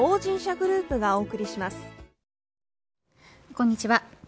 こんにちは。